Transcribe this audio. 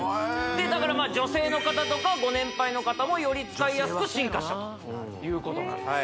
だから女性の方とかご年配の方もより使いやすく進化したということなんです